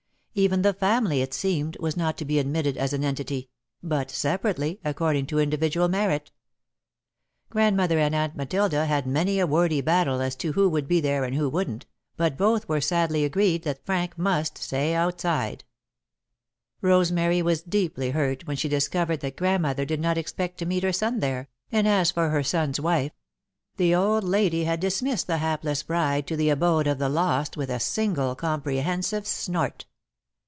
Even the family, it seemed, was not to be admitted as an entity, but separately, according to individual merit. Grandmother and Aunt Matilda had many a wordy battle as to who would be there and who wouldn't, but both were sadly agreed that Frank must stay outside. [Sidenote: Rewards and Punishments] Rosemary was deeply hurt when she discovered that Grandmother did not expect to meet her son there, and as for her son's wife the old lady had dismissed the hapless bride to the Abode of the Lost with a single comprehensive snort.